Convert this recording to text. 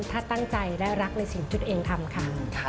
ถ้าตั้งใจและรักในสิ่งที่ตัวเองทำค่ะ